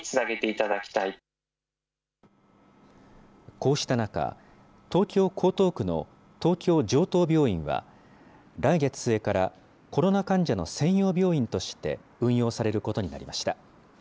こうした中、東京・江東区の東京城東病院は、来月末から、コロナ患者の専用病院として運用されることになりました。